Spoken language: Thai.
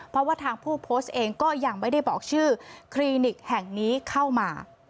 เพราะว่าทางผู้โพสต์เองก็ยังไม่ได้บอกชื่อคลินิกแห่งนี้เข้ามา